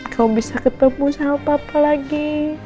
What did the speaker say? kau bisa ketemu sama papa lagi